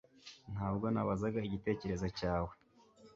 Ntabwo nabazaga igitekerezo cyawe